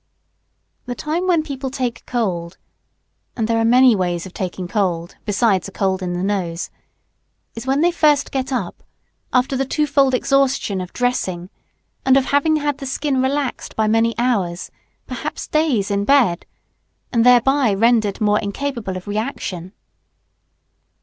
The time when people take cold (and there are many ways of taking cold, besides a cold in the nose,) is when they first get up after the two fold exhaustion of dressing and of having had the skin relaxed by many hours, perhaps days, in bed, and thereby rendered more incapable of re action.